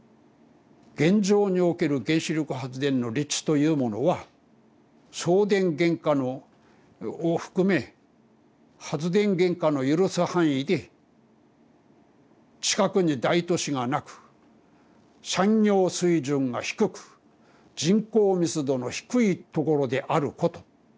現状における原子力発電の立地というものは送電原価を含め発電原価の許す範囲で近くに大都市がなく産業水準が低く人口密度の低いところであること。